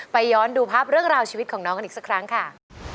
ย้อนดูภาพเรื่องราวชีวิตของน้องกันอีกสักครั้งค่ะ